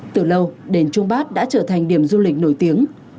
từ lâu đền trung bát đã trở thành điểm du lịch nổi tiếng